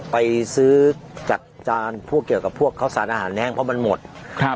ไปซื้อจัดจานพวกเกี่ยวกับพวกข้าวสารอาหารแห้งเพราะมันหมดครับ